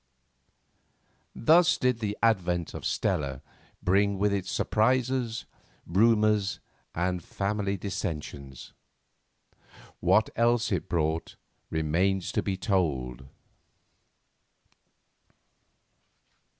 Thus did the advent of Stella bring with it surprises, rumours, and family dissensions. What else it brought remains to be told.